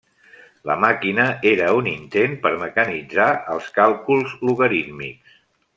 La màquina era un intent per mecanitzar els càlculs logarítmics.